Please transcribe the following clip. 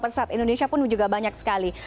pesawat indonesia pun juga banyak sekali